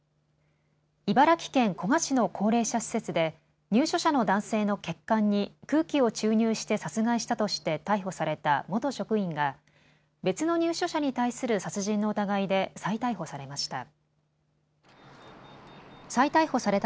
茨城県古河市の高齢者施設で入所者の男性の血管に空気を注入して殺害したとして逮捕された元職員が別の入所者に対する殺人の疑いで再逮捕されました。